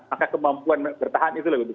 maka kemampuan bertahan itu lebih besar